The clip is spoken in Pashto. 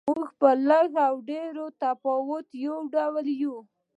موږ په لږ و ډېر تفاوت یو ډول یو.